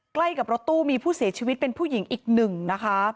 ใกล้กับรถตู้มีผู้เสียชีวิตเป็นผู้หญิงอีกหนึ่งนะคะ